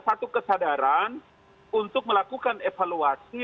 satu kesadaran untuk melakukan evaluasi